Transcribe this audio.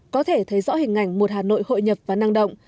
có thể thấy rõ hình ảnh một hà nội hội nhập và năng động